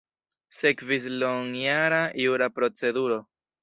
Sekvis longjara jura proceduro.